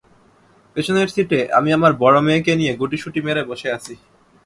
পেছনের সীটে আমি আমার বড় মেয়েকে নিয়ে গুটিসুটি মেরে বসে আছি।